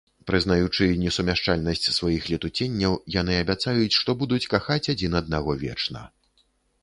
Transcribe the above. Прызнаючы несумяшчальнасць сваіх летуценняў, яны абяцаюць, што будуць кахаць адзін аднаго вечна.